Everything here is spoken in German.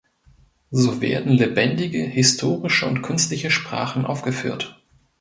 So werden lebendige, historische und künstliche Sprachen aufgeführt.